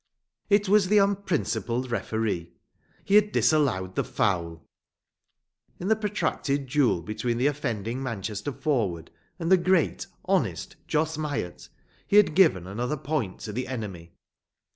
It was the unprincipled referee; he had disallowed the foul. In the protracted duel between the offending Manchester forward and the great, honest Jos Myatt he had given another point to the enemy.